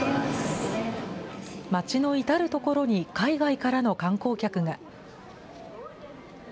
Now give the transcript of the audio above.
街の至る所に海外からの観光客が。